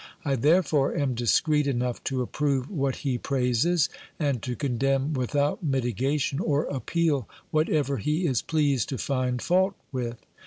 I therefore am discreet enough to approve what he praises, and to condemn without mitigation or appeal whatever he is pleased to find fault with.